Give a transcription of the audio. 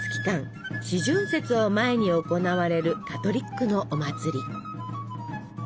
「四旬節」を前に行われるカトリックのお祭り。